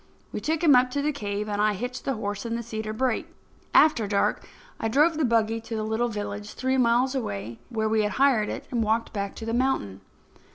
We took him up to the cave and I hitched the horse in the cedar brake. After dark I drove the buggy to the little village, three miles away, where we had hired it, and walked back to the mountain.